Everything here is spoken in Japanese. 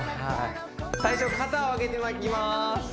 最初肩を上げていきます